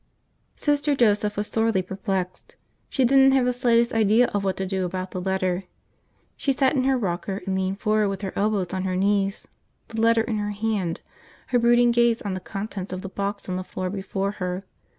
Sister Joseph was sorely perplexed. She didn't have the slightest idea of what to do about the letter. She sat in her rocker and leaned forward with her elbows on her knees, the letter in her hand, her brooding gaze on the contents of the box on the floor before her.